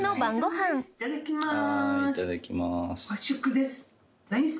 はいいただきます。